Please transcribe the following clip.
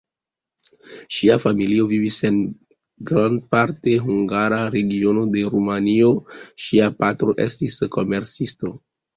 Ŝia familio vivis en grandparte hungara regiono de Rumanio; ŝia patro estis komercisto.